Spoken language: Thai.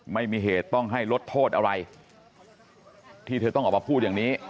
ไม่มีเหตุต้องให้ลดโทษอะไรที่เธอต้องออกมาพูดอย่างนี้